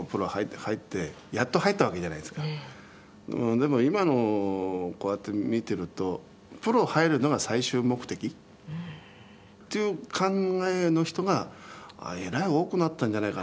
でも今のをこうやって見てるとプロに入るのが最終目的という考えの人がえらい多くなったんじゃないかな。